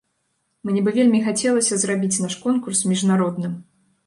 Мне бы вельмі хацелася зрабіць наш конкурс міжнародным.